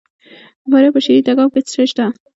د فاریاب په شیرین تګاب کې څه شی شته؟